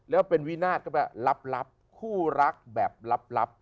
แล้วเป็นวินาทก็แบบลับคู่รักแบบลับ